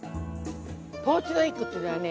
ポーチドエッグっていうのはね